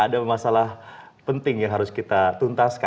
ada masalah penting yang harus kita tuntaskan